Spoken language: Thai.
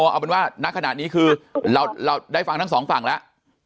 เอาเป็นว่าณขณะนี้คือเราได้ฟังทั้งสองฝั่งแล้ว